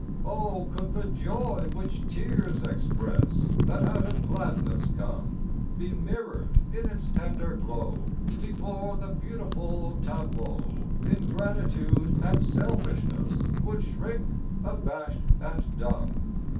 Oh, could the joy which tears express That out of gladness come Be mirrored in its tender glow, Before the beautiful tableau Ingratitude and selfishness Would shrink abashed and dumb!